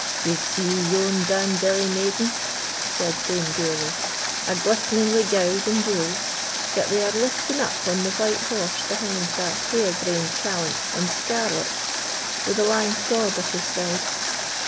"D'ye see yon dandilly maiden," said Dame Gourlay, "a' glistenin' wi' gowd and jewels, that they are lifting up on the white horse behind that hare brained callant in scarlet, wi' the lang sword at his side?"